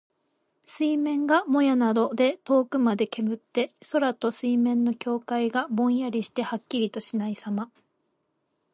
水面がもやなどで遠くまで煙って、空と水面の境界がぼんやりしてはっきりとしないさま。